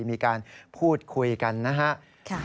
มีการพูดคุยกันนะฮะ